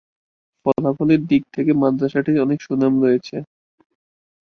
ফলাফলের দিক থেকে মাদ্রাসাটির অনেক সুনাম রয়েছে।